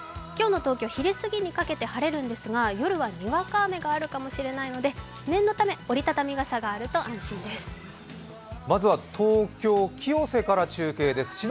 今日の東京、昼すぎにかけて晴れるんですが夜は、にわか雨があるかもしれないので念のため、折り畳み傘があると安心です。